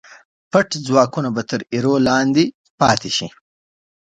پټ ځواکونه به تر ایرو لاندې پاتې شي.